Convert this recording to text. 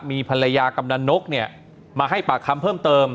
มีภรรยากำนันนกเนี่ยมาให้ปากคำเพิ่มเติม